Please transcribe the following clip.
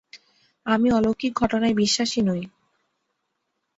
আমি অলৌলিক ঘটনায় বিশ্বাসী নই।